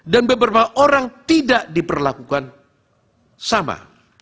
dan beberapa orang tidak diperlakukan sama